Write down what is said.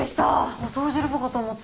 お掃除ロボかと思った。